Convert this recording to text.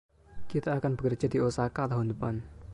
Kita akan bekerja di Osaka tahun depan.